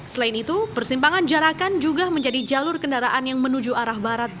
selain itu persimpangan jarakan juga menjadi jalur kendaraan yang menuju arah barat